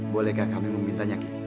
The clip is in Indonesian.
bolehkah kami memintanya ki